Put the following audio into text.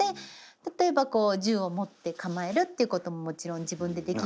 例えば銃を持って構えるっていうことももちろん自分でできますし。